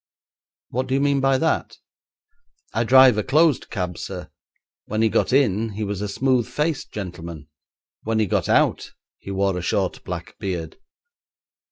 'What do you mean by that?' 'I drive a closed cab, sir. When he got in he was a smooth faced gentleman; when he got out he wore a short black beard.'